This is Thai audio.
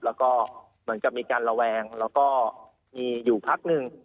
แล้วก็เหมือนกับมีการระแวงแล้วก็มีอยู่พักหนึ่ง